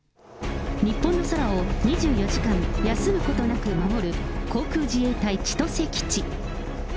日本の空を２４時間、休むことなく守る、航空自衛隊千歳基地。